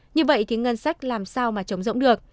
như vậy thì ngân sách làm sao cho ngân sách chống rỗng